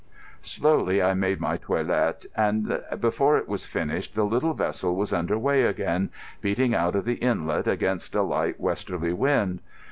Slowly I made my toilet, and before it was finished the little vessel was under way again, beating out of the inlet against a light westerly wind.